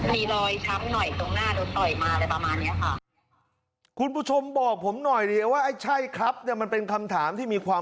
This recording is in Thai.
เนี้ยค่ะคุณผู้ชมบอกผมหน่อยเลยว่าไอ้ใช่ครับกันมันเป็นคำถามที่มีความ